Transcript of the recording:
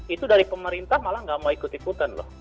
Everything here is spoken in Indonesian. itu dari pemerintah malah nggak mau ikut ikutan loh